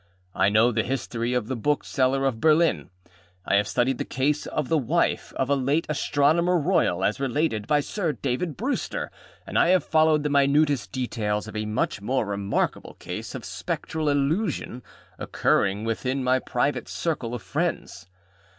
I know the history of the Bookseller of Berlin, I have studied the case of the wife of a late Astronomer Royal as related by Sir David Brewster, and I have followed the minutest details of a much more remarkable case of Spectral Illusion occurring within my private circle of friends.